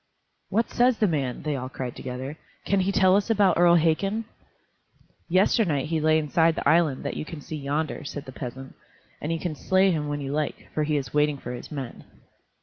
"What says the man?" they all cried, together; "can he tell us about Earl Hakon?" "Yesternight he lay inside the island that you can see yonder," said the peasant; "and you can slay him when you like, for he is waiting for his men."